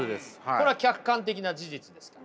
これは客観的な事実ですから。